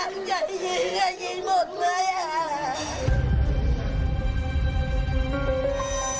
ไม่เคยรู้จักใจจริงหมดเลย